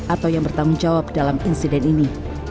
atau yang bertanggung jawab dalam insiden ini